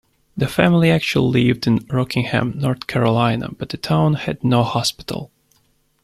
The family actually lived in Rockingham, North Carolina but the town had no hospital.